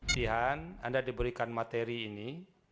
jihan anda diberikan materi ini